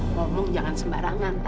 ngomong jangan sembarangan tante